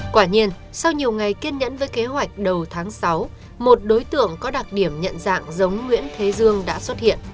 quả nhiên sau nhiều ngày kiên nhẫn với kế hoạch đầu tháng sáu một đối tượng có đặc điểm nhận dạng giống nguyễn thế dương đã xuất hiện